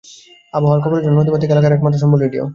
আবহাওয়ার খবরের জন্য নদীমাতৃক এলাকার একমাত্র সম্বল রেডিও।